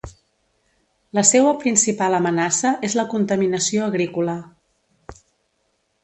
La seua principal amenaça és la contaminació agrícola.